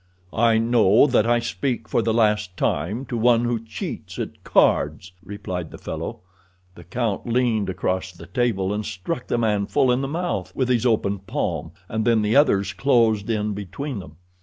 "I know that I speak, for the last time, to one who cheats at cards," replied the fellow. The count leaned across the table, and struck the man full in the mouth with his open palm, and then the others closed in between them.